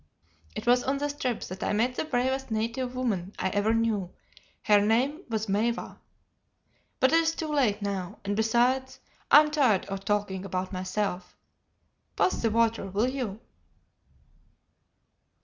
It was on this trip that I met the bravest native woman I ever knew; her name was Maiwa. But it is too late now, and besides, I am tired of talking about myself. Pass the water, will you!"